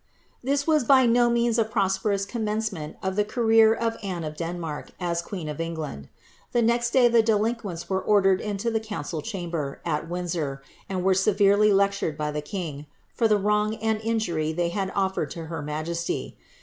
This was by no mea CO mm en cement or the career of Anne or Denmark as queen of EnaliiHL The nest day ihe delinquents were ordered into the eouncil chamber, «t Windsor, and were severely lectured by the king, fur the wrong ukI injury they hsd offered to her majesty.